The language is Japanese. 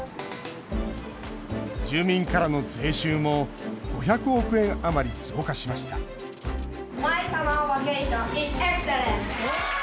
住民からの税収も５００億円余り増加しましたマイサマーバケーションイズエクセレント！